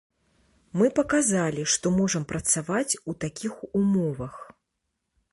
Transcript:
Мы паказалі, што можам працаваць у такіх умовах.